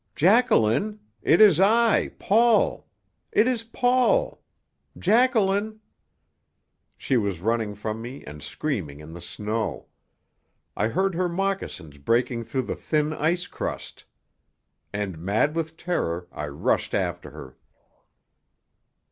"Jacqueline! It is I Paul! It is Paul! Jacqueline!" She was running from me and screaming in the snow. I heard her moccasins breaking through the thin ice crust. And, mad with terror, I rushed after her.